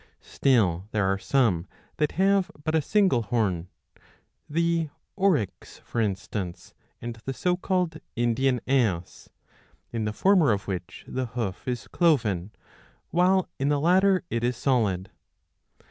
Still there are some that have but a single horn ; the Oryx '^ for instance, and the so called Indian ass ; in the former of which the hoof is cloven, while in the latter it is solid.